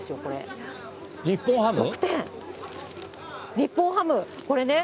日本ハム、これね。